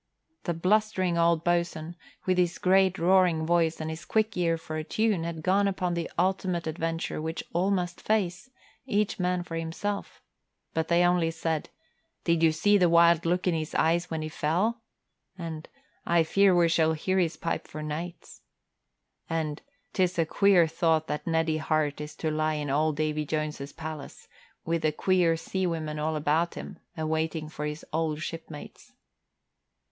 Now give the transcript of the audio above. The blustering old boatswain, with his great roaring voice and his quick ear for a tune, had gone upon the ultimate adventure which all must face, each man for himself; but they only said, "Did you see the wild look in his eyes when he fell?" And, "I fear we shall hear his pipe of nights." And, "'Tis a queer thought that Neddie Hart is to lie in old Davy Jones's palace, with the queer sea women all about him, awaiting for his old shipmates."